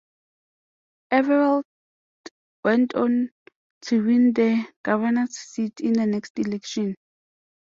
Everett went on to win the governor's seat in the next election.